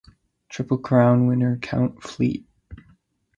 Triple Crown winner Count Fleet.